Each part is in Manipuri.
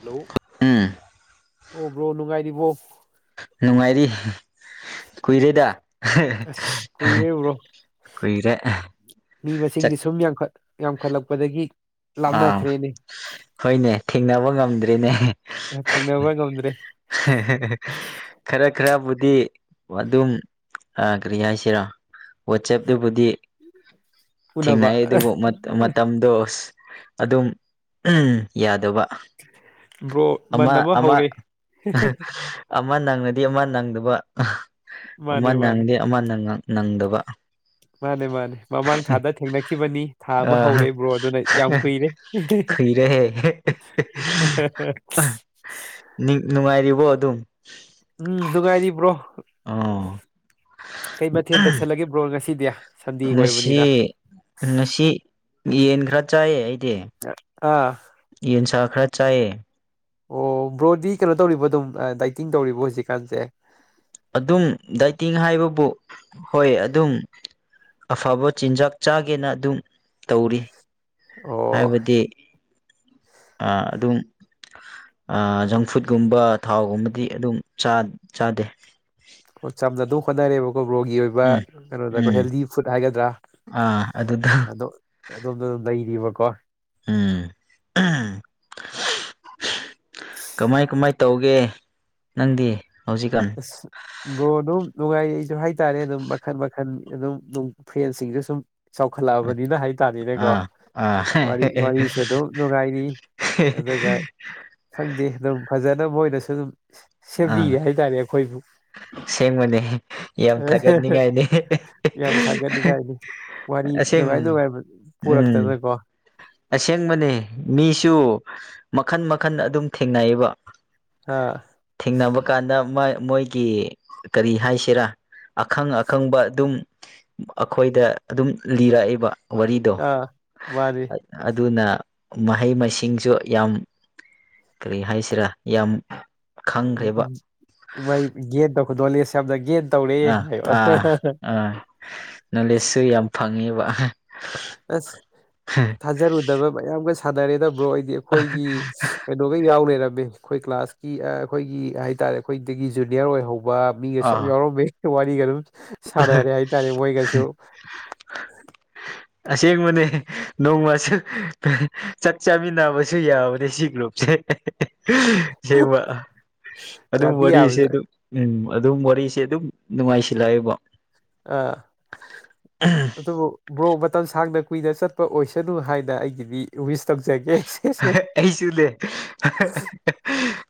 ꯍꯜꯂꯣ ꯎꯝ ꯑꯣ ꯕ꯭ꯔꯣ ꯅꯨꯡꯉꯥꯏꯔꯤꯕꯣ ꯅꯨꯡꯉꯥꯏꯔꯤ ꯀꯨꯏꯔꯦꯗ ꯍꯦ ꯑꯁ ꯀꯨꯏꯔꯦ ꯕ꯭ꯔꯣ ꯀꯨꯏꯔꯦ ꯃꯤ ꯆꯠ ꯃꯁꯤꯡꯁꯤ ꯁꯨꯝ ꯌꯥꯝꯈꯠ ꯌꯥꯝꯈꯠ ꯂꯛꯄꯗꯒꯤ ꯑꯥ ꯍꯣꯏꯅꯦ ꯊꯦꯡꯅꯕ ꯉꯝꯗ꯭ꯔꯦꯅꯦ ꯊꯦꯡꯅꯕ ꯉꯝꯗ꯭ꯔꯦ [unintelligible] ꯈꯔ ꯈꯔꯕꯨꯗꯤ ꯑꯗꯨꯝ ꯑꯥ ꯀꯔꯤ ꯍꯥꯏꯁꯦꯔꯥ ꯋꯠꯆꯦꯞꯇꯕꯨꯗꯤ ꯎꯅꯕ ꯊꯦꯡꯅꯩ ꯑꯗꯨꯕꯨ ꯃꯠ ꯃꯇꯝꯗꯣ ꯑꯁ ꯑꯗꯨꯝ ꯎꯝ ꯌꯥꯗꯕ ꯕ꯭ꯔꯣ ꯑꯃ ꯃꯟꯅ ꯕ ꯑꯃ ꯍꯧꯔꯦ ꯑꯃ ꯅꯪꯔꯗꯤ ꯑꯃ ꯅꯪꯗꯕ ꯃꯥꯅꯦ ꯑꯃ ꯃꯥꯅꯦ ꯅꯪꯗꯦ ꯑꯃ ꯅꯪꯉꯡ ꯅꯪꯗꯕ ꯃꯥꯅꯦ ꯃꯥꯅꯦ ꯃꯃꯥꯡ ꯊꯥꯗ ꯊꯦꯡꯅꯈꯤꯕꯅꯤ ꯊꯥ ꯑꯃ ꯑ ꯍꯧꯔꯦ ꯕ꯭ꯔꯣ ꯑꯗꯨꯅ ꯌꯥꯝ ꯀꯨꯏꯔꯦ ꯈꯨꯏꯔꯦꯍꯦ [unintelligible] ꯑ ꯅꯤꯡ ꯅꯨꯡꯉꯥꯏꯔꯤꯕꯣ ꯑꯗꯨꯝ ꯎꯝ ꯅꯨꯉꯥꯏꯔꯤ ꯕ꯭ꯔꯣ ꯑꯥ ꯀꯩ ꯃꯊꯦꯜ ꯇꯧꯁꯜꯂꯒꯦ ꯕ꯭ꯔꯣ ꯉꯁꯤꯗꯤ ꯁꯟꯗꯦꯒ ꯉꯁꯤ ꯑꯣꯏꯕꯅꯤꯅ ꯉꯁꯤ ꯌꯦꯟ ꯈꯔ ꯆꯥꯏꯌꯦ ꯑꯩꯗꯤ [unintelligible] ꯑꯥ ꯌꯦꯟꯁꯥ ꯈꯔ ꯆꯥꯏꯌꯦ ꯑꯣ ꯕ꯭ꯔꯣꯗꯤ ꯀꯩꯅꯣ ꯇꯧꯔꯤꯕꯣꯗꯨꯝ ꯑꯥ ꯗꯥꯏꯇꯤꯡ ꯇꯧꯔꯤꯕꯣ ꯍꯧꯖꯤꯛꯀꯥꯟꯁꯦ ꯑꯗꯨꯝ ꯗꯥꯏꯇꯤꯡ ꯍꯥꯏꯕꯕꯨ ꯍꯣꯏ ꯑꯗꯨꯝ ꯑꯐꯕ ꯆꯤꯟꯖꯥꯛ ꯆꯥꯒꯦꯅ ꯑꯗꯨꯝ ꯇꯧꯔꯤ ꯑꯣ ꯍꯥꯏꯕꯗꯤ ꯑꯥ ꯑꯗꯨꯝ ꯑꯥ ꯖꯪ ꯐꯨꯗ ꯒꯨꯝꯕ ꯊꯥꯎꯒꯨꯝꯕꯗꯤ ꯑꯗꯨꯝ ꯆꯥꯠ ꯆꯥꯗꯦ ꯍꯣ ꯆꯄꯂꯥ ꯗꯣ ꯍꯣꯠꯅꯔꯦꯕꯀꯣ ꯕ꯭ꯔꯣꯒꯤ ꯑꯣꯏꯕ ꯎꯝ ꯀꯩꯅꯣꯗꯀꯣ ꯎꯝ ꯍꯦꯜꯗꯤ ꯐꯨꯗ ꯍꯥꯏꯒꯗ꯭ꯔꯥ ꯑꯥ ꯑꯗꯨꯗ ꯑꯗꯣ ꯑꯣꯝꯗ ꯑꯗꯨꯝ ꯂꯩꯔꯤꯕꯀꯣ ꯎꯝ [unintelligible] ꯀꯃꯥꯏ ꯀꯃꯥꯏ ꯇꯧꯒꯦ ꯅꯪꯗꯤ ꯍꯧꯖꯤꯛꯀꯥꯟ ꯑꯁ ꯕ꯭ꯔꯣ ꯑꯗꯨꯝ ꯅꯨꯡꯉꯥꯏꯔꯤ ꯑꯩꯁꯨ ꯍꯥꯏꯇꯥꯔꯦ ꯑꯗꯨꯝ ꯃꯈꯟ ꯃꯈꯟ ꯑꯗꯨꯝ ꯅꯨꯡ ꯐ꯭ꯔꯦꯟꯁꯤꯡꯁꯨ ꯁꯨꯝ ꯆꯥꯎꯈꯠ ꯂꯛꯑꯕꯅꯤꯅ ꯍꯥꯏꯇꯥꯔꯦꯅꯦꯀꯣ ꯑꯥ ꯑꯥ ꯋꯥꯔꯤ ꯋꯥꯔꯤꯁꯨ ꯑꯗꯨꯝ ꯅꯨꯡꯉꯥꯏꯔꯤ ꯍꯦ [unintelligible] ꯑꯗꯨꯒ ꯈꯪꯗꯦ ꯑꯗꯨꯝ ꯐꯖꯅ ꯃꯣꯏꯅꯁꯨ ꯑꯗꯨꯝ ꯑꯥ ꯁꯦꯝꯕꯤꯌꯦ ꯍꯥꯏꯇꯥꯔꯦ ꯑꯩꯈꯣꯏꯕꯨ ꯁꯦꯡꯕꯅꯦ ꯌꯥꯝ ꯊꯥꯒꯠꯅꯤꯡꯉꯥꯏꯅꯦ ꯌꯥꯝ [unintelligible] ꯊꯥꯒꯠꯅꯤꯡꯉꯥꯏꯅꯤ ꯋꯥꯔꯤ ꯅꯨꯉꯥꯏ ꯅꯨꯉꯥꯏꯕ ꯄꯨꯔꯛꯇꯅꯀꯣ ꯑꯁꯦꯡꯕꯅꯦ ꯃꯤꯁꯨ ꯃꯈꯟ ꯃꯈꯟ ꯑꯗꯨꯝ ꯊꯦꯡꯅꯌꯦꯕ ꯍꯥ ꯊꯦꯡꯅꯕ ꯀꯥꯟꯗ ꯃꯥꯏ ꯃꯣꯏꯒꯤ ꯀꯔꯤ ꯍꯥꯏꯁꯦꯔꯥ ꯑꯈꯪ ꯑꯈꯪꯕ ꯑꯗꯨꯝ ꯑꯩꯈꯣꯏꯗ ꯑꯗꯨꯝ ꯂꯤꯔꯛꯏꯕ ꯋꯥꯔꯤꯗꯣ ꯑꯥ ꯃꯥꯅꯤ [unintelligible] ꯑꯗꯨꯅ ꯃꯍꯩ ꯃꯁꯤꯡꯁꯨ ꯌꯥꯝ ꯀꯔꯤ ꯍꯥꯏꯁꯤꯔꯥ ꯏ ꯌꯥꯝ ꯕ ꯎꯝ ꯎꯝ ꯃꯥꯏ ꯒꯦꯟ ꯇꯧꯈꯗꯣ ꯅꯣꯂꯦꯖ ꯌꯥꯝꯅ ꯒꯦꯟ ꯇꯧꯔꯦ ꯑꯥ ꯍꯥꯏꯕ ꯑꯥ [unintelligible] ꯑꯥ ꯅꯣꯂꯦꯖꯁꯨ ꯌꯥꯝ ꯐꯪꯉꯦꯕ ꯑꯍꯥ ꯑꯁ ꯊꯥꯖꯔꯨꯗꯕ ꯃꯌꯥꯝꯒ ꯁꯥꯟꯅꯔꯦꯗ ꯕ꯭ꯔꯣ ꯑꯩꯗꯤ ꯑꯩꯈꯣꯏꯒꯤ ꯑꯗꯨꯒ ꯌꯥꯎꯂꯩꯔꯝꯃꯤ ꯈꯣꯏ ꯀ꯭ꯂꯥꯁꯀꯤ ꯑꯥ ꯑꯩꯈꯣꯏꯒꯤ ꯍꯥꯏꯇꯥꯔꯦ ꯑꯩꯈꯣꯏꯗꯒꯤ ꯖꯨꯅꯤꯌ꯭ꯔ ꯑꯣꯏꯍꯧꯕ ꯃꯤꯒꯁꯨ ꯌꯥꯝ ꯑꯥ ꯌꯥꯎꯔꯝꯕꯩ ꯋꯥꯔꯤꯒꯗꯨꯝ ꯁꯥꯟꯅꯔꯦ ꯍꯥꯏꯇꯥꯔꯦ ꯃꯣꯏꯒꯁꯨ [unintelligible] ꯑꯁꯦꯡꯕꯅꯦ ꯅꯣꯡꯃꯁꯨ [unintelligible] ꯆꯥꯛ ꯆꯥꯃꯤꯟꯅꯕꯁꯨ ꯌꯥꯕꯅꯦ ꯁꯤ ꯒ꯭ꯔꯨꯞꯁꯦ [unintelligible] ꯁꯦꯡꯕ ꯑꯗꯨꯝ ꯌꯥꯗꯤ ꯋꯥꯔꯤꯁꯦ ꯌꯥꯕꯁꯨ ꯑꯗꯨꯝ ꯎꯝ ꯑꯗꯨꯝ ꯋꯥꯔꯤꯁꯦ ꯑꯗꯨꯝ ꯅꯨꯡꯉꯥꯏꯁꯤꯟ ꯏꯂꯥꯏꯕ ꯑꯥ ꯑꯗꯨꯕꯨ ꯕ꯭ꯔꯣꯛ ꯃꯇꯝ ꯁꯥꯡꯅ ꯀꯨꯏꯅ ꯆꯠꯄ ꯑꯣꯏꯁꯅꯨ ꯍꯥꯏꯅ ꯑꯩꯒꯤꯗꯤ ꯋꯤꯁ ꯇꯧꯖꯒꯦ꯫ ꯍꯦ ꯑꯩꯁꯨ ꯅꯦ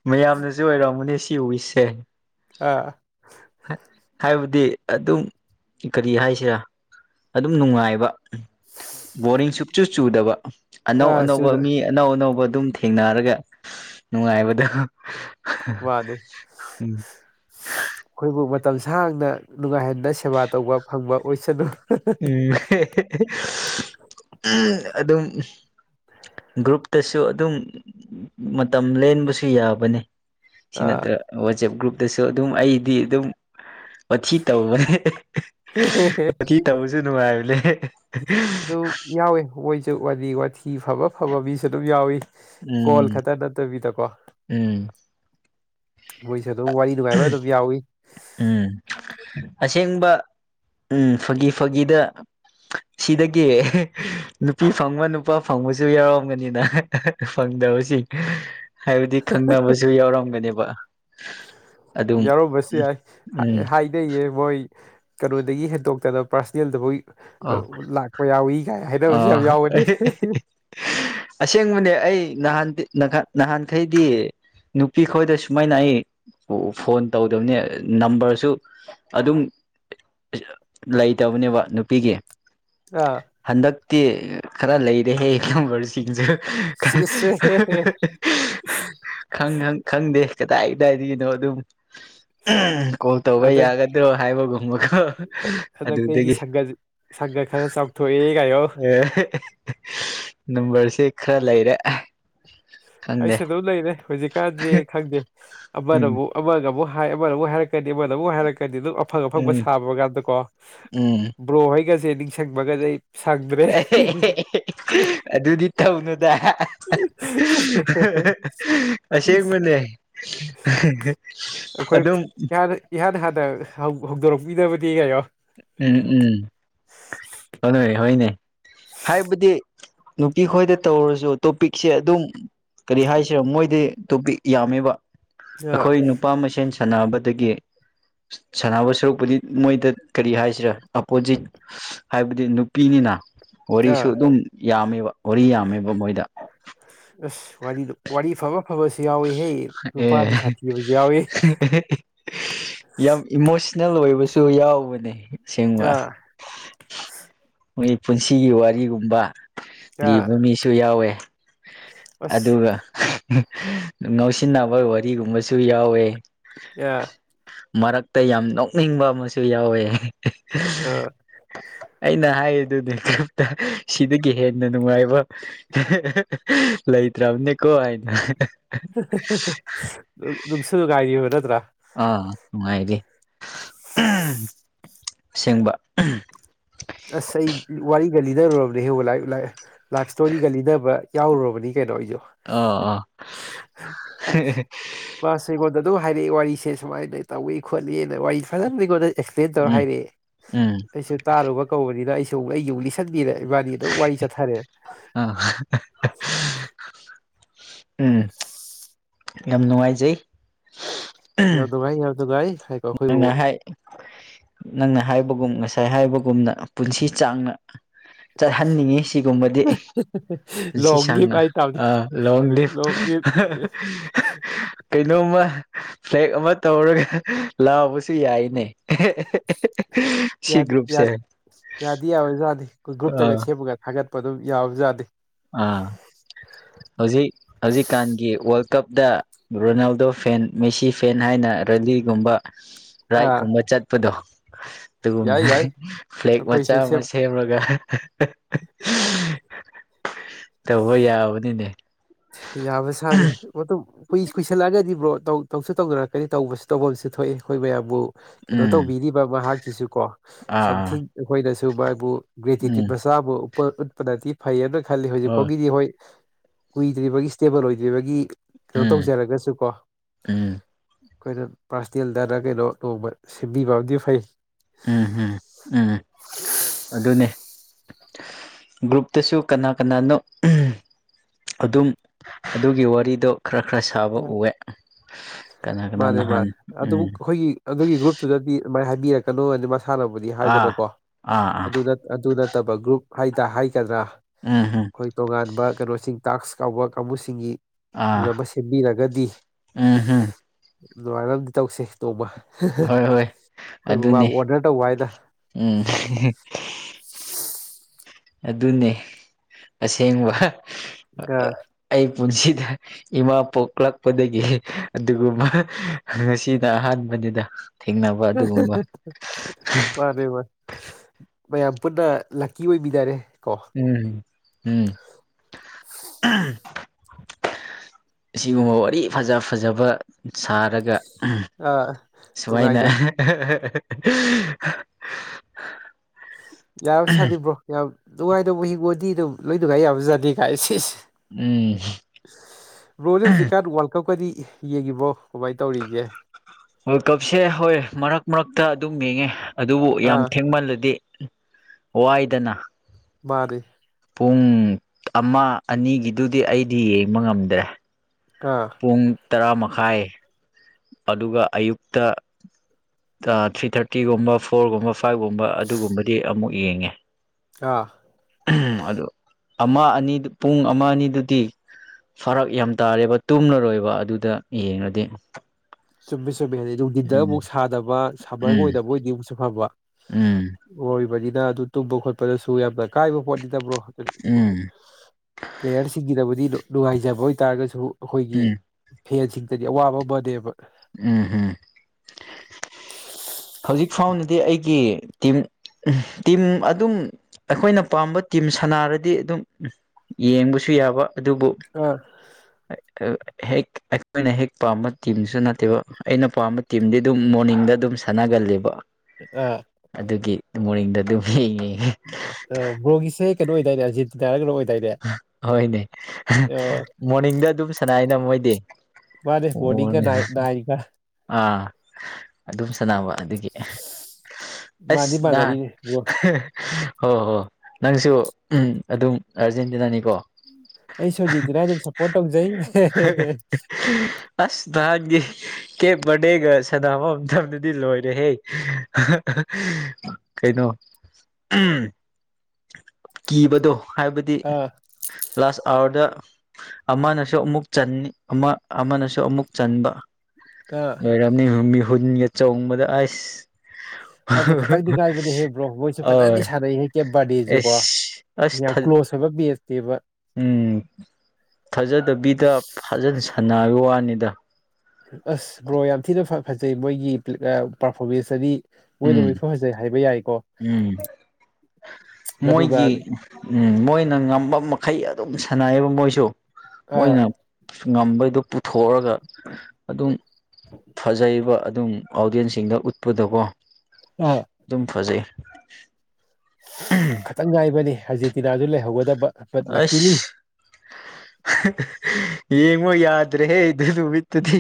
ꯃꯌꯥꯝꯅꯁꯨ ꯑꯣꯏꯔꯝꯒꯅꯤ ꯁꯤ ꯋꯤꯁꯁꯦ꯫ ꯑꯥ ꯍꯥꯏꯕꯗꯤ ꯑꯗꯨꯝ ꯀꯔꯤ ꯍꯥꯏꯁꯤꯔꯥ ꯑꯗꯨꯝ ꯅꯨꯡꯉꯥꯏꯕ ꯕꯣꯔꯤꯡ ꯁꯨꯞꯆꯨ ꯆꯨꯗꯕ ꯑꯅꯧ ꯑꯥ ꯑꯅꯧꯕ ꯆꯨꯗ ꯃꯤ ꯑꯅꯧ ꯑꯅꯧꯕ ꯑꯗꯨꯝ ꯊꯦꯡꯅꯔꯒ ꯅꯨꯡꯉꯥꯏꯕꯗꯣ ꯋꯥꯗꯦ ꯎꯝ ꯑꯩꯈꯣꯏꯕꯨ ꯃꯇꯝ ꯁꯥꯡꯅ ꯅꯨꯡꯉꯥꯏꯍꯟꯅ ꯁꯦꯕꯥ ꯇꯧꯕ ꯐꯪꯕ ꯑꯣꯏꯁꯅꯨ ꯎꯝ ꯑꯗꯨꯝ ꯒ꯭ꯔꯨꯞꯇꯁꯨ ꯑꯗꯨꯝ ꯃꯇꯝ ꯂꯦꯟꯕꯁꯨ ꯌꯥꯕꯅꯤ꯫ ꯁꯤ ꯑꯥ ꯅꯠꯇ꯭ꯔꯒ ꯋꯥꯆꯦꯞ ꯒ꯭ꯔꯨꯞꯇꯁꯨ ꯑꯗꯨꯝ ꯑꯩꯗꯤ ꯑꯗꯨꯝ ꯋꯥꯊꯤ ꯇꯧꯕꯅꯦ ꯋꯥꯊꯤ ꯇꯧꯕꯁꯨ ꯅꯨꯡꯉꯥꯏꯕꯅꯦ꯫ ꯑꯗꯨ ꯌꯥꯎꯏꯤ ꯍꯣꯏꯁꯨ ꯋꯥ ꯋꯥꯊꯤ ꯐꯕ ꯐꯕ ꯃꯤꯁꯨ ꯑꯗꯨꯝ ꯌꯥꯎꯏ ꯀꯣꯜ ꯎꯝ ꯈꯛꯇ ꯅꯠꯇꯕꯤꯗꯀꯣ ꯎꯝ ꯃꯣꯏꯁꯨ ꯑꯗꯨꯝ ꯋꯥꯔꯤ ꯑꯗꯨꯚꯥꯏꯚ ꯑꯗꯨꯝ ꯌꯥꯎꯏ ꯎꯝ ꯑꯁꯦꯡꯕ ꯎꯝ ꯐꯥꯒꯤ ꯐꯥꯒꯤꯗ ꯁꯤꯗꯒꯤ ꯅꯨꯄꯤ ꯐꯪꯕ ꯅꯨꯄꯥ ꯐꯪꯕꯁꯨ ꯌꯥꯎꯔꯝꯒꯅꯤꯅ ꯐꯪꯗꯧꯁꯤꯉ ꯍꯥꯏꯕꯗꯤ ꯈꯪꯅꯕꯁꯨ ꯌꯥꯎꯔꯝꯒꯅꯦꯕ ꯑꯗꯨꯝ ꯌꯥꯎꯔꯝꯕꯁꯨ ꯎ ꯌꯥꯏ ꯍꯥꯏꯅꯩꯌꯦ ꯃꯣꯏ ꯀꯩꯅꯣꯗꯒꯤ ꯍꯦꯟꯇꯣꯛꯇꯅ ꯑ ꯄꯥꯔꯁꯅꯦꯜꯗꯐꯥꯎ ꯂꯥꯛ ꯀꯣꯏ ꯌꯥꯎꯋꯏ ꯀꯥꯏ ꯑ ꯍꯥꯏꯗꯕꯁꯨ ꯌꯥꯝ ꯌꯥꯎꯋꯅꯤ꯫ ꯑꯁꯦꯡꯕꯅꯦ ꯑꯩ ꯅꯍꯥꯟ ꯅꯍꯥꯟꯈꯩꯗꯤ ꯅꯨꯄꯤ ꯈꯣꯏꯗ ꯁꯨꯃꯥꯏꯅ ꯑꯩ ꯐꯣꯟ ꯇꯧꯗꯕꯅꯤ ꯅꯝꯕꯔꯁꯨ ꯑꯗꯨꯝ ꯂꯩꯇꯕꯅꯦꯕ ꯅꯨꯄꯤꯒꯤ ꯑꯥ ꯍꯟꯗꯛꯇꯤ ꯈꯔ ꯂꯩꯔꯦꯍꯦ [unintelligible] ꯈꯪ ꯁꯤꯁ ꯈꯪ ꯈꯪꯗꯦ ꯀꯗꯥꯏ ꯀꯗꯥꯏꯗꯒꯤꯒꯤꯅꯣ ꯑꯗꯨꯝ ꯀꯣꯜ ꯇꯧꯕ ꯍꯟꯗꯛ ꯌꯥꯒꯗ꯭ꯔꯣ ꯍꯥꯏꯕꯒꯨꯝꯕꯀꯣ ꯑꯗꯨꯗꯒꯤ ꯁꯪꯗ ꯈꯔ ꯆꯥꯎꯊꯣꯛꯑꯏ ꯀꯥꯏꯌꯣ ꯑꯦ ꯅꯝꯕꯔꯁꯦ ꯈꯔ ꯂꯩꯔꯦ꯫ ꯈꯪꯗꯦ ꯑꯩꯁꯨ ꯑꯗꯨꯝ ꯂꯩꯔꯦ ꯍꯧꯖꯤꯛꯀꯥꯟꯗꯤ ꯈꯪꯗꯦ ꯎꯝ ꯑꯃꯅꯕꯨꯨꯛ ꯑꯃꯒ ꯑꯃꯨꯛ ꯍꯥꯏ ꯑꯃꯅ ꯑꯃꯨꯛ ꯍꯥꯏꯔꯛ ꯀ ꯑꯃꯣꯏꯗ ꯑꯃꯨꯛ ꯍꯥꯏꯔꯛꯀꯅꯤ ꯑꯗꯨꯝ ꯑꯐꯪ ꯑꯐꯪꯕ ꯎꯝ ꯁꯥꯕ ꯀꯥꯟꯗ ꯀꯣ ꯎꯝ ꯕ꯭ꯔꯣꯍꯩꯒꯁꯦ ꯅꯤꯡꯁꯤꯡꯪꯕꯒꯁꯦ ꯑꯩ ꯁꯪꯗ꯭ꯔꯦ꯫ ꯑꯗꯨꯗꯤ ꯇꯧꯅꯨꯗ ꯑꯁꯤ ꯃꯅꯦ꯫ ꯑꯩꯈꯣꯏ ꯑꯗꯨꯝ ꯏꯍꯥꯟ ꯏꯍꯥꯟ ꯍꯥꯟꯅ ꯍꯧꯗꯣꯔꯛꯄꯤꯗꯕꯗꯤ ꯀꯩꯅꯣ ꯎꯝ ꯎꯝ ꯍꯣꯏ ꯍꯣꯏꯅꯦ ꯍꯥꯏꯕꯨꯗꯤ ꯅꯨꯄꯤ ꯈꯣꯏꯗ ꯇꯧꯔꯁꯨ ꯇꯣꯄꯤꯛꯁꯦ ꯑꯗꯨꯝ ꯀꯔꯤ ꯍꯥꯏꯁꯤꯔꯣ ꯃꯣꯏꯗꯤ ꯇꯣꯄꯤ ꯌꯥꯝꯃꯦꯕ ꯑꯥ ꯑꯩꯈꯣꯏ ꯅꯨꯄꯥ ꯃꯁꯦꯟ ꯁꯥꯟꯅꯕꯗꯒꯤ ꯁꯥꯟꯅꯕ ꯁꯔꯨꯛꯄꯨꯗꯤ ꯃꯣꯏꯗ ꯀꯔꯤ ꯍꯥꯏꯁꯤꯔꯦ ꯑꯄꯣꯖꯤꯠ ꯍꯥꯏꯕꯗꯤ ꯅꯨꯄꯤꯅꯤꯅ ꯋꯥꯔꯤꯁꯨ ꯑꯥ ꯑꯗꯨꯝ ꯌꯥꯝꯃꯦꯕ ꯋꯥꯔꯤ ꯌꯥꯝꯃꯦꯕ ꯃꯣꯏꯗ ꯑꯁ ꯋꯥꯔꯤꯗ ꯋꯥꯔꯤ ꯐꯕ ꯐꯕꯁꯨ ꯌꯥꯎꯋꯤꯍꯦ ꯑꯦ ꯅꯨꯄꯥꯗꯤ ꯁꯥꯊꯤꯕꯁꯨ ꯌꯥꯎꯋ ꯌꯥꯝ ꯏꯃꯣꯁꯅꯦꯜ ꯑꯣꯏꯕꯁꯨ ꯌꯥꯎꯕꯅꯦ ꯑꯁꯦꯡꯕ ꯑꯥ ꯃꯣꯏ ꯄꯨꯟꯁꯤꯒꯤ ꯋꯥꯔꯤꯒꯨꯝꯕ ꯑꯥ ꯂꯤꯕ ꯃꯤꯁꯨ ꯌꯥꯎꯋꯦ ꯑꯁ ꯑꯗꯨꯒ ꯉꯧꯁꯤꯟꯅꯕ ꯋꯥꯔꯤꯒꯨꯝꯕꯁꯨ ꯌꯥꯎꯋꯦ ꯑꯥ ꯃꯔꯛꯇ ꯌꯥꯝ ꯅꯣꯛꯅꯤꯡꯕ ꯑꯃꯁꯨ ꯌꯥꯎꯋꯦ ꯑꯥ ꯑꯩꯅ ꯍꯥꯏꯔꯤꯗꯨꯗꯤ ꯀꯞꯇ ꯁꯤꯗꯒꯤ ꯍꯦꯟꯅ ꯅꯨꯡꯉꯥꯏꯕ ꯂꯩꯇ꯭ꯔꯕꯅꯦꯀꯣ ꯍꯥꯏꯅ ꯅꯨꯡꯁꯨ ꯅꯨꯡ ꯉꯥꯏꯔꯤꯕ ꯅꯠꯇ꯭ꯔꯥ ꯑ ꯅꯨꯡꯉꯥꯏꯔꯤ ꯑꯁꯦꯡꯕ ꯑꯁ ꯑꯩ ꯋꯥꯔꯤꯒ ꯂꯤꯅꯔꯨꯔꯕꯅꯦ ꯍꯦ ꯂꯥꯏ ꯂꯥꯏꯐ ꯏꯁꯇꯣꯔꯤꯒ ꯂꯤꯅꯕ ꯌꯥꯎꯔꯨꯔꯕꯅꯤ ꯀꯩꯅꯣ ꯑꯩꯁꯨ ꯑ ꯑꯥ ꯃꯁꯦ ꯑꯩꯉꯣꯟꯗ ꯑꯗꯨꯝ ꯍꯥꯏꯔꯛꯏ ꯋꯥꯔꯤꯁꯦ ꯁꯨꯃꯥꯏꯅ ꯇꯧꯏ ꯈꯣꯠꯂꯤꯅ ꯋꯥꯔꯤ ꯐꯖꯅ ꯑꯩꯉꯣꯟꯗ ꯑꯦꯛꯁꯄ꯭ꯂꯦꯟ ꯇꯧꯔ ꯎꯝ ꯎꯝ ꯍꯥꯏꯔꯛꯑꯦ ꯑꯩꯁꯨ ꯇꯥꯔꯨꯕ ꯀꯧꯕꯅꯤꯅ ꯑꯩꯁꯦ ꯆꯧꯛ ꯑꯩ ꯑꯃꯨꯛ ꯂꯤꯁꯤꯟꯕꯤꯔꯦ ꯏꯕꯥꯅꯤ ꯑꯗꯨꯝ ꯋꯥꯔꯤ ꯆꯠꯊꯔꯦ ꯑ ꯎꯝ ꯌꯥꯝ ꯅꯨꯡꯉꯥꯏꯖꯩ ꯌꯥꯝ ꯅꯨꯡꯉꯥꯏ ꯌꯥꯝ ꯅꯨꯡꯉꯥꯏ [unintelligible] ꯑꯩꯈꯣꯏꯕꯨ ꯅꯪꯅ ꯍꯥꯏ ꯅꯪꯅ ꯍꯥꯏꯕꯒꯨꯝ ꯉꯁꯥꯏ ꯍꯥꯏꯕꯒꯨꯝꯅ ꯄꯨꯟꯁꯤ ꯆꯥꯡꯅ ꯆꯠꯍꯟꯅꯤꯡꯉꯤ ꯁꯤꯒꯨꯝꯕꯗꯤ ꯄꯨꯟꯁꯤ ꯂꯣꯡ ꯂꯤꯞ ꯁꯥꯡꯅ ꯍꯥꯏꯇꯥꯕꯅꯤ ꯑ ꯂꯣꯡ ꯂꯤꯞ ꯂꯣꯡ ꯂꯤꯞ [unintelligible] ꯀꯩꯅꯣꯝꯃ ꯐ꯭ꯂꯦꯛ ꯑꯃ ꯇꯧꯔꯒ ꯂꯥꯎꯕꯁꯨ ꯌꯥꯏꯅꯦ ꯁꯤ ꯒ꯭ꯔꯨꯄ ꯁꯦ ꯌꯥꯗꯤ ꯌꯥꯕ ꯖꯥꯠꯅꯤ ꯑꯩꯈꯣꯏ ꯒ꯭ꯔꯨꯞꯇꯒ ꯁꯦꯝꯃꯒ ꯊꯥꯒꯠꯄ ꯑꯗꯨꯝ ꯌꯥꯕ ꯖꯥꯠꯅꯤ ꯑꯥ ꯍꯧꯖꯤꯛ ꯍꯧꯖꯤꯛꯀꯥꯟꯒꯤ ꯋꯥꯔꯜ ꯀꯞꯇ ꯔꯣꯅꯥꯜꯗꯣ ꯐꯦꯟ ꯃꯦꯁꯤ ꯐꯦꯟ ꯍꯥꯏꯅ ꯔꯂꯤꯒꯨꯝꯕ ꯔꯥꯏꯠ ꯑꯥ ꯀꯨꯝꯕ ꯆꯠꯄꯗꯣ ꯌꯥꯏ ꯑꯗꯨꯒꯨꯝꯅ ꯌꯥꯏ ꯐ꯭ꯂꯦꯛ ꯃꯆꯥ ꯑꯩꯈꯣꯏꯁꯨ ꯁꯦꯝ ꯑꯃ ꯁꯦꯝꯃꯒ ꯇꯧꯕ ꯌꯥꯕꯅꯤꯅꯦ ꯌꯥꯕ ꯁꯥꯠꯅꯤ ꯃꯇꯨꯡ ꯀꯨꯏ ꯀꯨꯏꯁꯜꯂꯛꯑꯒꯗꯤ ꯕ꯭ꯔꯣ ꯇꯧꯁꯨ ꯇꯧꯅꯔꯛꯀꯅꯤ ꯇꯧꯕ ꯇꯧꯕꯐꯝ ꯑꯃꯁꯨ ꯊꯣꯛꯑꯦ ꯑꯩꯈꯣꯏ ꯃꯌꯥꯝꯕꯨ ꯀꯩꯅꯣ ꯎꯝ ꯇꯧꯕꯤꯔꯤꯕ ꯃꯍꯥꯛꯀꯤꯁꯨ ꯀꯣ ꯑꯥ ꯑꯥ ꯁꯝꯊꯤꯡ ꯑꯩꯈꯣꯏꯅꯁꯨ ꯃꯥꯕꯨ ꯒ꯭ꯔꯦꯇꯤꯇ꯭ꯌꯨꯠ ꯎꯝ ꯃꯁ ꯆꯥꯕꯨꯄ ꯎꯠꯄꯗꯗꯤ ꯐꯩꯌꯦꯅ ꯈꯜꯂꯤ ꯍꯧꯖꯤꯛꯐ ꯐꯥꯎꯒꯤꯗꯤ ꯍꯣꯏ ꯒꯤ ꯏꯁꯇꯦꯕꯜ ꯑꯣꯏꯗ꯭ꯔꯤꯕꯒꯤ ꯀꯩꯅꯣ ꯎꯝ ꯇꯧꯖꯔꯒꯁꯨ ꯀꯣ ꯎꯝ ꯑꯩꯈꯣꯏꯅ ꯄꯥꯔꯁꯅꯦꯜꯗꯅ ꯀꯩꯅꯣ ꯅꯣꯡꯃ ꯁꯦꯝꯕꯤꯕ ꯑꯃꯗꯤ ꯐꯩ ꯎꯝ ꯎꯝ ꯎꯝ ꯑꯗꯨꯅꯦ ꯒ꯭ꯔꯨꯞꯇꯁꯨ ꯀꯅꯥ ꯀꯅꯥꯅꯣ ꯎꯝ ꯑꯗꯨꯝ ꯑꯗꯨꯒꯤ ꯋꯥꯔꯤꯗꯣ ꯈꯔ ꯈꯔ ꯁꯥꯕ ꯎꯑꯦ ꯀꯅꯥ ꯀꯅꯥ ꯃꯥꯅꯦ ꯅꯍꯥꯟ ꯃꯥꯅꯦ ꯑꯗꯨꯕꯨ ꯎꯝ ꯑꯩꯈꯣꯏꯒꯤ ꯑꯗꯨꯒꯤ ꯒ꯭ꯔꯨꯞꯇꯨꯗꯗꯤ ꯑꯗꯨꯃꯥꯏꯅ ꯍꯥꯏꯕꯤꯔꯛꯀꯅꯣ ꯍꯥꯏꯅ ꯃꯁꯥꯟꯅꯕꯨꯗꯤ ꯑꯥ ꯍꯥꯏꯗꯅꯀꯣ ꯑꯥ ꯑꯥ ꯑꯗꯨꯅ ꯑꯗꯨ ꯅꯠꯇꯕ ꯒ꯭ꯔꯨꯞ ꯍꯥꯏꯗ ꯍꯥꯏꯒꯗ꯭ꯔꯥ ꯑꯥ ꯍꯥ ꯑꯩꯈꯣꯏ ꯇꯣꯉꯥꯟꯕ ꯀꯩꯅꯣꯁꯤꯡ ꯇꯥꯛꯁ ꯌꯥꯎꯕ ꯀꯥꯡꯕꯨꯁꯤꯡꯒꯤ ꯑꯥ ꯈꯟꯕꯤꯔꯒꯗꯤ ꯎꯝ ꯍꯝ ꯑꯗꯨꯃꯥꯏꯅ ꯑꯃꯇꯥ ꯇꯧꯁꯦ ꯇꯧꯕ ꯍꯥ ꯍꯥ ꯍꯣꯏ ꯍꯣꯏ ꯑꯩꯈꯣꯏꯕꯨ ꯑꯗꯨꯅꯦ ꯃꯥꯕꯨ ꯑꯣꯗꯔ ꯇꯧꯕ ꯍꯥꯏꯗꯅ ꯎꯝ ꯑꯗꯨꯅꯦ ꯑꯁꯦꯡꯕ ꯑ ꯑꯩ ꯄꯨꯟꯁꯤꯗ ꯏꯃꯥ ꯄꯣꯛꯂꯛꯄꯗꯒꯤ ꯑꯗꯨꯒꯨꯝꯕ ꯉꯁꯤꯅ ꯑꯍꯥꯟꯕꯅꯤꯗ ꯊꯦꯡꯅꯕ ꯑꯗꯨꯒꯨꯝꯕ ꯃꯅꯤ ꯃꯥ ꯃꯌꯥꯝ ꯄꯨꯟꯅ ꯂꯛꯀꯤ ꯑꯣꯏꯕꯤ ꯇꯔꯦ ꯀꯣ [unintelligible] ꯑꯁꯤꯒꯨꯝꯕ ꯋꯥꯔꯤ ꯐꯖ ꯐꯖꯕ ꯁꯥꯔꯒ ꯑ ꯁꯨꯃꯥꯏꯅ ꯌꯥ ꯁꯥꯗꯕ꯭ꯔꯣ ꯌꯥꯝ ꯅꯨꯡꯉꯥꯏꯗꯕ ꯍꯤꯡꯉꯗꯤ ꯑꯗꯨꯝ ꯂꯩꯣꯏꯗꯒꯥꯏ ꯌꯥꯝ ꯁꯥꯗꯦ ꯀꯥꯏ ꯁꯤꯁꯦ ꯎꯝ ꯕ꯭ꯔꯣꯖꯟꯖꯤꯀꯥꯟ ꯋꯥꯔꯜ ꯀꯞꯀꯗꯤ ꯌꯦꯡꯉꯤꯕꯣ ꯀꯃꯥꯏꯅ ꯇꯧꯔꯤꯒꯦ ꯍꯣꯏ ꯀꯞꯁꯦ ꯍꯣꯏ ꯃꯔꯛ ꯃꯔꯛꯇ ꯑꯗꯨꯝ ꯌꯦꯡꯉꯦ ꯑꯗꯨꯕꯨ ꯌꯥꯝ ꯑꯥ ꯊꯦꯡꯃꯜꯂꯗꯤ ꯋꯥꯏꯗꯅ ꯃꯥꯔ ꯄꯨꯡ ꯑꯃ ꯑꯅꯤꯒꯤꯗꯨꯗꯤ ꯑꯩꯗꯤ ꯌꯦꯡꯕ ꯉꯝꯗ꯭ꯔꯦ ꯑꯥ ꯄꯨꯡ ꯇꯔꯥ ꯃꯈꯥꯏ ꯑꯗꯨꯒ ꯑꯌꯨꯛꯇ ꯊ꯭ꯔꯤ ꯊꯥꯔꯇꯤꯒꯨꯝꯕ ꯐꯣꯔꯒꯨꯝꯕ ꯐꯥꯏꯚꯒꯨꯝꯕ ꯑꯗꯨꯒꯨꯝꯕꯗꯤ ꯑꯃꯨꯛ ꯌꯦꯡꯉꯦ ꯑꯥ ꯑꯗꯨ ꯑꯃ ꯑꯅꯤꯗꯨ ꯄꯨꯡ ꯑꯃ ꯑꯅꯤꯗꯨꯗꯤ ꯐꯔꯛ ꯌꯥꯝ ꯇꯥꯔꯦꯕ ꯇꯨꯝꯂꯔꯣꯏꯕ ꯑꯗꯨꯗ ꯌꯦꯡꯔꯗꯤ ꯆꯨꯝꯃꯦ ꯆꯨꯝꯃꯦ ꯍꯥꯏꯗꯤ ꯅꯨꯡꯊꯤꯟꯗꯒ ꯑꯃꯨꯛ ꯁꯥꯗꯕ ꯁꯝꯃꯔꯒ ꯎꯝ ꯑꯣꯏꯗꯕ ꯑꯣꯏꯗꯤ ꯑꯃꯨꯛꯁꯨ ꯐꯕ ꯎꯝ ꯑꯣꯏꯕꯅꯤꯅ ꯑꯗꯨ ꯇꯨꯝꯕ ꯈꯣꯠꯄꯗꯁꯨ ꯌꯥꯝꯅ ꯀꯥꯏꯕ ꯄꯣꯠꯅꯤꯠꯇꯕ꯭ꯔꯣ ꯎꯝ ꯄ꯭ꯂꯦꯌꯔꯁꯤꯡꯒꯤꯗꯕꯨꯗꯤ ꯅꯨꯡꯉꯥꯏꯖꯕ ꯑꯣꯏꯇꯥꯔꯒꯁꯨ ꯑꯩꯈꯣꯏꯒꯤ ꯎꯝ ꯐꯦꯟꯁꯤꯡꯗꯗꯤ ꯑꯋꯥꯕ ꯑꯃꯅꯦꯕ ꯎꯝ ꯍꯨ ꯍꯧꯖꯤꯛ ꯐꯥꯎꯅꯗꯤ ꯑꯩꯒꯤ ꯇꯤꯝ ꯇꯤꯝ ꯑꯗꯨꯝ ꯑꯩꯈꯣꯏꯅ ꯄꯥꯝꯕ ꯇꯤꯝ ꯁꯥꯅꯔꯗꯤ ꯑꯗꯨꯝ ꯌꯦꯡꯕꯁꯨ ꯌꯥꯕ ꯑꯗꯨꯕꯨ [unintelligible] ꯍꯦꯛ ꯑꯩꯈꯣꯏꯅ ꯍꯦꯛ ꯄꯥꯝꯕ ꯇꯤꯝꯁꯨ ꯅꯠ ꯑꯩꯅ ꯄꯥꯝꯕ ꯇꯤꯝꯗꯤ ꯑꯗꯨꯝ ꯃꯣꯔꯅꯤꯡꯗ ꯑꯗꯨꯝ ꯁꯥꯟꯅꯒꯜꯂꯦꯕ [unintelligible] ꯑꯗꯨꯒꯤ ꯃꯅꯤꯡꯗ ꯑꯗꯨꯝ ꯌꯦꯡꯉꯦ ꯑ ꯕ꯭ꯔꯣꯒꯤꯁꯦ ꯀꯩꯅꯣ ꯑꯣꯏꯗꯥꯏꯅꯦꯖꯤꯠ ꯇꯔꯒꯩꯅꯣ ꯑꯣꯏꯗꯥꯏꯅꯦ ꯍꯣꯏꯅꯦ ꯑꯣ ꯃꯣꯔꯅꯤꯡꯗ ꯑꯗꯨꯝ ꯁꯅꯏ ꯅ ꯃꯣꯏꯗꯤ ꯃꯥꯅꯦ ꯃꯣꯔꯅꯤꯡꯒ ꯅꯥꯏꯠ ꯅꯥꯏꯟꯒ ꯑꯥ ꯑꯗꯨꯝ ꯁꯥꯟꯅꯕ ꯑꯗꯒꯤ [unintelligible] ꯑꯁ ꯃꯥꯟꯗꯤ ꯅꯥ ꯃꯥꯟꯅꯔꯤꯅꯦ ꯕ꯭ꯔꯣ [unintelligible] ꯍꯣꯏ ꯍꯣꯏ ꯅꯪꯁꯨ ꯑꯗꯨꯝ ꯑꯥꯔꯖꯦꯟꯇꯤꯅꯥꯅꯤꯀꯣ ꯑꯩꯁꯨ ꯖꯤꯗꯤꯅꯥ ꯑꯗꯨꯝ ꯁ꯭ꯄꯣꯔꯠ ꯇꯧꯖꯩ ꯍꯦ ꯍꯦ ꯍꯦ [unintelligible] ꯑꯁ ꯗ꯭ꯔꯥꯏꯠꯒꯤ ꯀꯦꯞ ꯕꯔꯗꯦꯒ ꯁꯥꯅꯕ ꯃꯇꯝꯗꯗꯤ ꯂꯣꯏꯔꯦꯍꯦ ꯀꯩꯅꯣ ꯑꯨꯝ ꯀꯤꯕꯗꯣ ꯍꯥꯏꯕꯗꯤ ꯑꯥ ꯂꯥꯁ ꯑꯋꯥꯔꯗ ꯑꯃꯅꯁꯨ ꯑꯃꯨꯛ ꯆꯟꯅꯤ ꯑꯃ ꯑꯃꯅꯁꯨ ꯑꯃꯨꯛ ꯆꯟꯕ ꯑꯥ ꯂꯣꯏꯔꯝꯅꯤ ꯃꯤꯍꯨꯟꯒ ꯆꯣꯡꯕꯗ ꯑꯩꯁ ꯑꯗꯨ ꯈꯛꯇꯪꯗꯤ ꯉꯥꯏꯕꯅꯦꯍꯦ ꯕ꯭ꯔꯣ ꯃꯣꯏꯁꯨ ꯐꯖꯅꯗꯤ ꯑꯣꯏ ꯁꯥꯟꯅꯩꯍꯦ ꯀꯦꯞ ꯕꯥꯔꯗꯤꯁꯨꯀꯣ ꯑꯦꯁ ꯑꯁ ꯌꯥꯝ ꯊꯥ ꯀ꯭ꯂꯣꯖ ꯑꯣꯏꯕ ꯕꯦꯞꯇꯤꯕ ꯎꯝ ꯊꯥꯖꯗꯕꯤꯗ ꯐꯖꯅ ꯁꯥꯟꯅꯕꯩ ꯋꯥꯅꯤꯗ ꯑꯁ ꯕ꯭ꯔꯣ ꯌꯥꯝ ꯊꯤꯅ ꯐ ꯐꯖꯩ ꯃꯣꯏꯒꯤ ꯄ꯭ꯂꯤ ꯄꯥꯔꯐꯣꯔꯃꯦꯟꯁꯇꯗꯤ ꯃꯣꯏꯗꯕꯨ ꯎꯝ ꯏꯐ ꯐꯖꯩ ꯍꯥꯏꯕ ꯌꯥꯏꯀꯣ ꯎꯝ ꯑꯗꯨꯒ ꯃꯣꯏꯒꯤ ꯎꯝ ꯃꯣꯏꯅ ꯉꯝꯕ ꯃꯈꯩ ꯑꯗꯨꯝ ꯁꯥꯟꯅꯩ ꯑꯦꯕ ꯃꯣꯏꯁꯨ ꯃꯣꯏꯅ ꯑꯥ ꯉꯝꯕꯩꯗꯣ ꯄꯨꯊꯣꯛꯑꯒ ꯑꯗꯨꯝ ꯐꯖꯩꯕ ꯑꯗꯨꯝ ꯑꯣꯗꯤꯌꯦꯟꯁꯁꯤꯡꯗ ꯎꯠꯄꯗꯀꯣ [unintelligible] ꯑꯗꯨꯝ ꯐꯖꯩ ꯈꯠꯇꯪ ꯉꯥꯏꯕꯅꯤ ꯑꯔꯖꯦꯟꯇꯤꯅꯥꯖꯨ ꯂꯩꯍꯧꯒꯗꯕ ꯕꯠ ꯑꯁ ꯂꯛꯀꯤꯂꯤ [unintelligible] [unintelligible] ꯌꯦꯡꯕ ꯌꯥꯗ꯭ꯔꯦꯍꯦ ꯑꯗꯨ ꯅꯨꯃꯤꯠꯇꯨꯗꯤ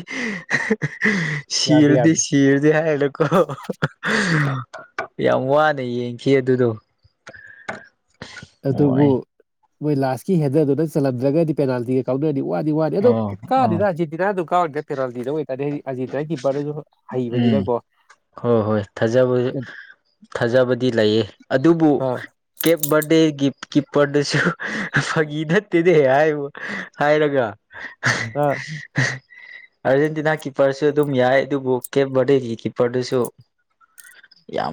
ꯌꯥꯗꯦ ꯁꯤꯔꯗꯤ ꯌꯥꯗꯦ ꯀꯤꯕꯗꯤ ꯍꯥꯏꯔꯨꯅꯨꯀꯣ [unintelligible] ꯌꯥꯝ ꯋꯥꯅ ꯌꯦꯡꯈꯤ ꯑꯗꯨꯗꯣ [inaudible] ꯑꯗꯨꯕꯨ ꯋꯥꯏ ꯃꯣꯏ ꯂꯥꯁꯇꯀꯤ ꯍꯦꯟꯗꯜꯗꯨꯗ ꯆꯜꯂꯝꯗ꯭ꯔꯒꯗꯤ ꯄꯦꯅꯥꯜꯇꯤ ꯀꯥꯎꯗꯅꯔꯗꯤ ꯋꯥꯗꯤ ꯋꯥꯅꯤ ꯑꯗꯣ ꯑꯣ ꯑꯣ ꯀꯥꯅꯤꯗ ꯑꯔꯖꯦꯟꯇꯤꯅꯥꯗꯨꯝ ꯀꯥꯅꯤ ꯄꯦꯅꯥꯜꯇꯤꯗ ꯑꯣꯏꯇꯥꯔꯗꯤ ꯍꯥꯏꯗꯤ ꯑꯔꯖꯦꯟꯇꯤꯅꯥꯏ ꯀꯤꯄꯔꯗꯨꯖꯨ ꯎꯝ ꯍꯣꯏ ꯍꯣꯏ ꯊꯥꯖꯕꯁꯖꯨ ꯊꯥꯖꯕꯗꯤ ꯂꯩꯌꯦ ꯑꯗꯨꯕꯨ ꯑꯥ ꯀꯦꯞ ꯕꯥꯔꯗꯦꯒꯤ ꯒꯤꯐ ꯀꯤꯞꯔꯗꯦꯁꯨ ꯐꯥꯒꯤ ꯅꯠꯇꯦ [unintelligible] ꯍꯥꯏꯕꯨ ꯍꯥꯏꯔꯒ ꯑꯥ [unintelligible] ꯑꯥꯔꯖꯦꯟꯇꯤꯅꯥ ꯀꯤꯞꯄꯔꯁꯨ ꯑꯗꯨꯝ ꯌꯥꯏ ꯑꯗꯨꯕꯨ ꯀꯦꯞ ꯕꯥꯔꯗꯦꯒꯤ ꯀꯤꯞꯄꯔꯗꯨꯁꯨ ꯌꯥꯝ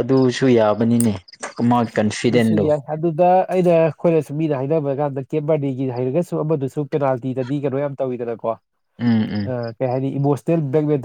ꯑꯗꯨꯁꯨ ꯌꯥꯕꯅꯤꯅꯦ ꯑꯃ ꯑꯗꯨꯁꯨ ꯀꯟꯐꯤꯗꯦꯟꯇꯗꯣ ꯌꯥꯏ ꯑꯗꯨꯗ ꯑꯩꯅ ꯑꯩꯈꯣꯏꯅ ꯁꯨꯝ ꯃꯤꯅ ꯍꯥꯏꯅꯕ ꯀꯥꯟꯗ ꯀꯦꯕꯔꯅꯤꯒꯤ ꯍꯥꯏꯔꯒꯁꯨ ꯑꯃꯗꯨꯁꯨ ꯄꯦꯅꯥꯜꯇꯤꯗꯗꯤ ꯀꯩꯅꯣ ꯌꯥꯝ ꯇꯧꯋꯤꯗꯅꯀꯣ ꯎꯝ ꯎꯝ ꯑ ꯀꯩ ꯍꯥꯏꯅꯤ ꯏꯃꯣꯁꯅꯦꯜ ꯕ꯭ꯂꯦꯛꯃꯦꯜ